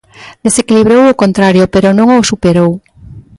Desequilibrou o contrario pero non o superou.